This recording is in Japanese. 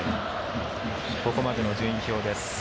ここまでの順位表です。